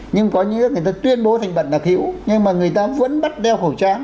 nhưng có những người ta tuyên bố thành bận đặc hiểu nhưng mà người ta vẫn bắt đeo khẩu trang